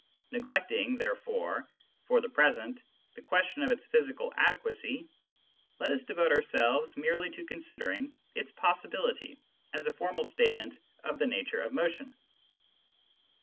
Neglecting, therefore, for the present, the question of its physical adequacy, let us devote ourselves merely to considering its possibility as a formal statement of the nature of motion.